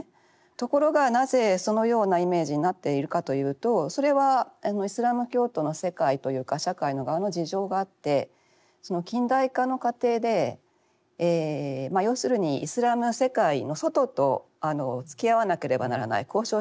ところがなぜそのようなイメージになっているかというとそれはイスラム教徒の世界というか社会の側の事情があってその近代化の過程でまあ要するにイスラムの世界の外とつきあわなければならない交渉しなければならない。